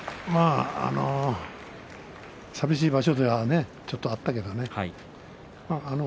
寂しい場所ではちょっと、あったけどね。